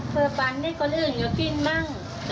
พอเพื่อปันให้คนอื่นก็กินมั่งอ๋อ